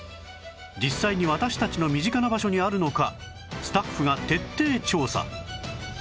実際に私たちの身近な場所にあるのかスタッフが徹底調査